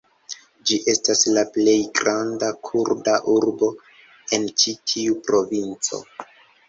Ĝi estas la plej granda kurda urbo en ĉi tiu provinco.